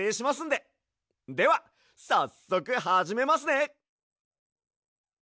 ではさっそくはじめますね！